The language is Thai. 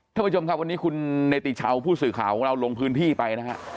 ท่านผู้ชมครับวันนี้คุณเนติชาวผู้สื่อข่าวของเราลงพื้นที่ไปนะฮะ